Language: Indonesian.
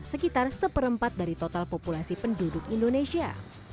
sekitar seperempat dari total populasi penduduk indonesia